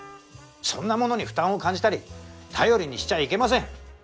そんなものに負担を感じたり頼りにしちゃいけません。